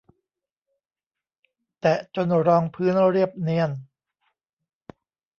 แตะจนรองพื้นเรียบเนียน